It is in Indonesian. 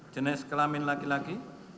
jenis kelamin laki laki